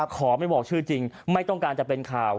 ขอไม่บอกชื่อจริงไม่ต้องการจะเป็นข่าว